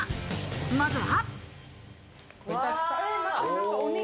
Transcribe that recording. まずは。